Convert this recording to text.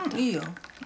いいよ。